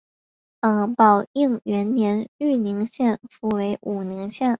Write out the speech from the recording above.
宝应元年豫宁县复为武宁县。